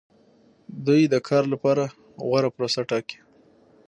دوی د کار لپاره غوره پروسه ټاکي.